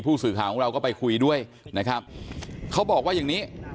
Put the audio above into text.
ผู้สื่อข่าวของเราก็ไปคุยด้วยนะครับเขาบอกว่าอย่างนี้